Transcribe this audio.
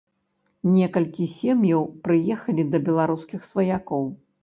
Некалькі сем'яў прыехалі да беларускіх сваякоў.